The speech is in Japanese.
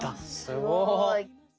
すごい。